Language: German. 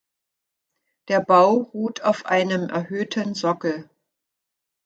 Der Bau ruht auf einem erhöhten Sockel.